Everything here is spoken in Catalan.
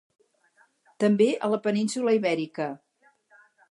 També a la península Ibèrica.